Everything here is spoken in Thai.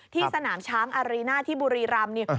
สนามช้างอารีน่าที่บุรีรำ